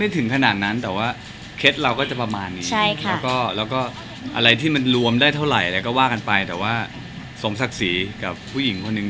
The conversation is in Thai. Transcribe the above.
แต่ว่าที่สมศักดิ์สิทธิ์กับผู้หญิงคนหนึ่ง